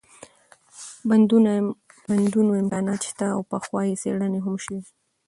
بندونو امكانات شته او پخوا يې څېړنه هم شوې